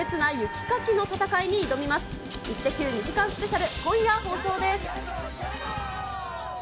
２時間スペシャル今夜放送です。